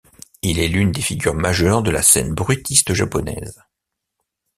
Il est l'une des figures majeures de la scène bruitiste japonaise.